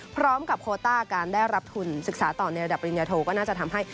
พร้อมกับโคตาร์การได้รับทุนศึกษาต่อในระดับริเมียโทก็น่าจะทำให้